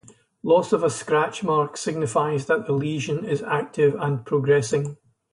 Loss of a scratch mark signifies that the lesion is active and progressing.